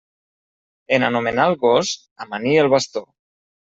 En anomenar el gos, amanir el bastó.